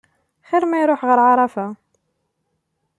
Xir ma iruḥ ɣer ɛarafa.